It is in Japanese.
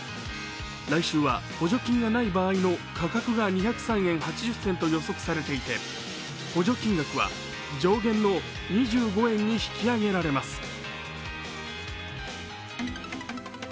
来週は補助金がない場合の価格が２０３円８０銭と予測されていて補助金額は上限の２５円に引き上げられます。